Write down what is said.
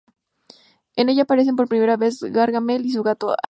En ella aparecen por primera vez Gargamel y su gato Azrael.